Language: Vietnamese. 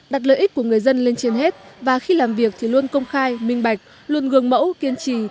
đặt lợi ích của người dân lên trên hết và khi làm việc thì luôn công khai minh bạch luôn gương mẫu kiên trì